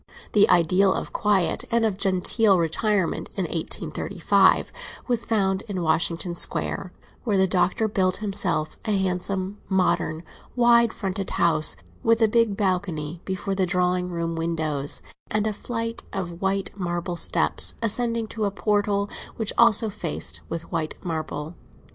The ideal of quiet and of genteel retirement, in 1835, was found in Washington Square, where the Doctor built himself a handsome, modern, wide fronted house, with a big balcony before the drawing room windows, and a flight of marble steps ascending to a portal which was also faced with white marble.